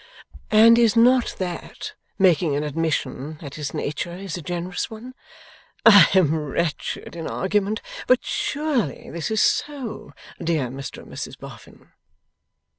And is not that making an admission that his nature is a generous one? I am wretched in argument, but surely this is so, dear Mr and Mrs Boffin?